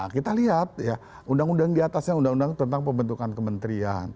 kita lihat ya undang undang diatasnya undang undang tentang pembentukan kementerian